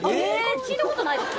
聞いたことないです